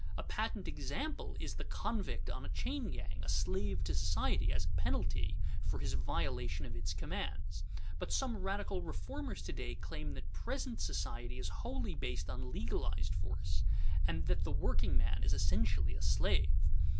A patent example is the convict on a chain gang, a slave to society as a penalty for his violation of its commands. But some radical reformers to day claim that present society is wholly based on legalized force, and that the workingman is essentially a slave.